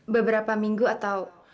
beberapa minggu atau